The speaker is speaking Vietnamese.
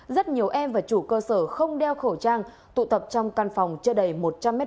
rất nhiều em và chủ cơ sở không đeo khẩu trang tụ tập trong căn phòng chưa đầy một trăm linh m hai